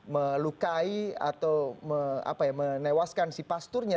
melukai atau menewaskan si pasturnya